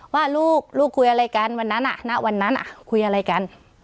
ว่าลูกคุยอะไรกันวันนั้นณวันนั้นคุยอะไรกัน